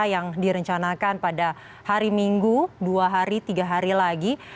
yang direncanakan pada hari minggu dua hari tiga hari lagi